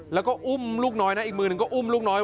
แล้วก็อุ้มลูกน้อยนะอีกมือหนึ่งก็อุ้มลูกน้อย